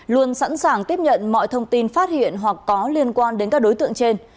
luôn sẵn sàng tiếp nhận mọi thông tin phát hiện hoặc có liên quan đến các đối tượng trên